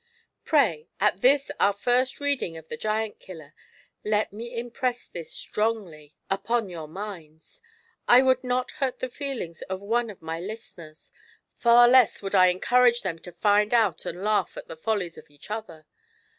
Pray, at this our first reading of "the Giant kiUer," let me impress this strongly upon your minds. I would not hurt the feelings of one of my listeners, far less would I encourage them to find out and laugh at the follies of each other.